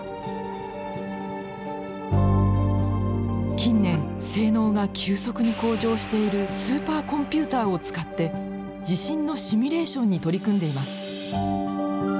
近年性能が急速に向上しているスーパーコンピューターを使って地震のシミュレーションに取り組んでいます。